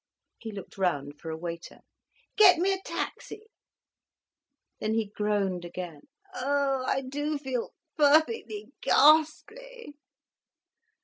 He looked round for a waiter. "Get me a taxi." Then he groaned again. "Oh I do feel—perfectly ghastly!